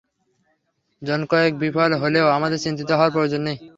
জনকয়েক বিফল হলেও আমাদের চিন্তিত হওয়ার প্রয়োজন নেই।